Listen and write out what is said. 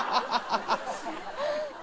ハハハハ！